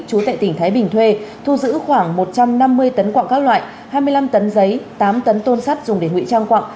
chú tại tỉnh thái bình thuê thu giữ khoảng một trăm năm mươi tấn quạng các loại hai mươi năm tấn giấy tám tấn tôn sắt dùng để ngụy trang quạng